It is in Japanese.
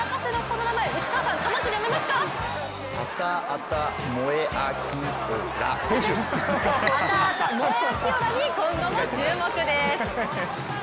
アタアタ・モエアキオラに今後も注目です。